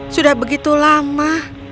sudah begitu lama